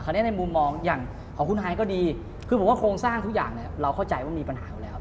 อันนี้ในมุมมองอย่างของคุณฮายก็ดีคือผมว่าโครงสร้างทุกอย่างเนี่ยเราเข้าใจว่ามีปัญหาอยู่แล้ว